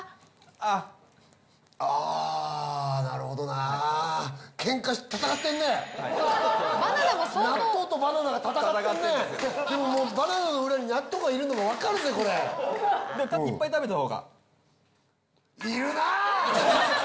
ああっなるほどなケンカバナナも相当納豆とバナナが戦ってるねでももうバナナの裏に納豆がいるの分かるぜこれいっぱい食べた方がいるよ！